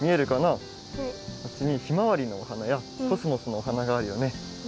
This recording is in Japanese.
あっちにひまわりのお花やコスモスのお花があるよね。